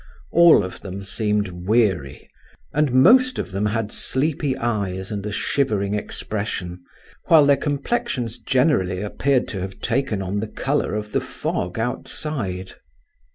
All of them seemed weary, and most of them had sleepy eyes and a shivering expression, while their complexions generally appeared to have taken on the colour of the fog outside.